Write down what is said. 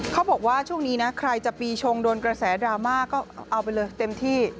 เขาบอกว่าช่วงนี้นะใครจะปีชงโดนกระแสดราม่าก็เอาไปเลยเต็มที่